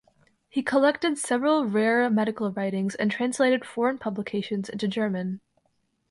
He collected several rare medical writings and translated foreign publications into German.